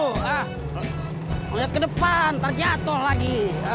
ah lihat ke depan ntar jatuh lagi